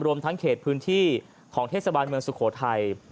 รวมทั้งเขตพื้นที่ของเทศบาลเมืองสุโขทัย